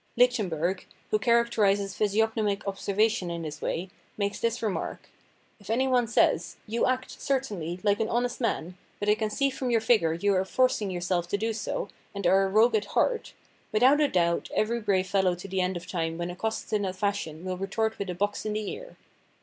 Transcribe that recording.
Lichtenberg, who characterises physiognomic ob servation in this way, makes this remark : "If any one says, ' You act, certainly, like an honest man, but I can see from your figure you are forcing yourself to do so, and are a rogue at heart,' without a doubt every brave fellow to the end of time when accosted in that fashion will retort with a box in the ear."